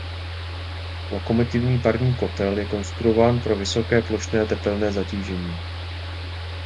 Lokomotivní parní kotel je konstruován pro vysoké plošné tepelné zatížení.